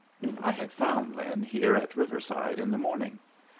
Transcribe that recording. I had found Lin here at Riverside in the morning.